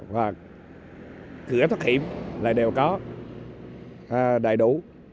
các xe khách đều có đầy đủ